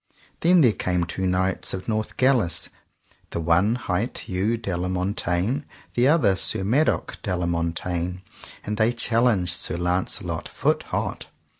Then there came two knights of Northgalis, that one hight Hew de la Montaine, and the other Sir Madok de la Montaine, and they challenged Sir Launcelot foot hot.